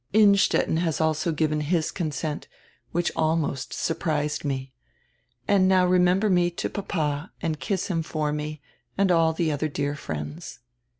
Innstetten has also given his consent, which almost sur prised me. And now remember me to papa and kiss him for me, and all the other dear friends.